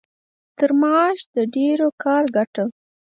تر معاش د ډېر کار ګټه.